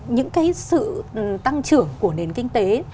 những cái sự tăng trưởng của nền kinh tế